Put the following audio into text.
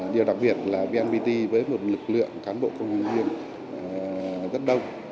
điều đặc biệt là vnpt với một lực lượng cán bộ công nhân viên rất đông